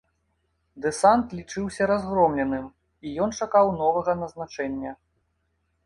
Дэсант лічыўся разгромленым, і ён чакаў новага назначэння.